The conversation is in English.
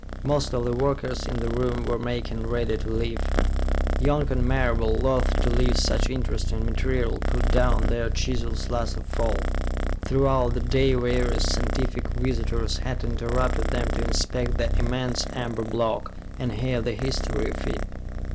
Most of the workers in the room were making ready to leave. Young and Marable, loath to leave such interesting material, put down their chisels last of all. Throughout the day various scientific visitors had interrupted them to inspect the immense amber block, and hear the history of it.